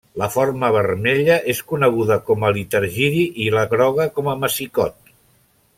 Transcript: La forma vermella és coneguda com a litargiri i la groga com a massicot.